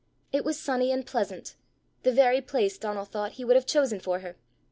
It was sunny and pleasant the very place, Donal thought, he would have chosen for her.